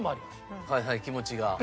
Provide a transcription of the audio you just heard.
はいはい気持ちが。